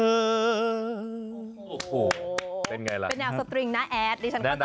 โอ้โหเป็นไงล่ะเป็นแนวสตริงนะแอดดิฉันเข้าใจ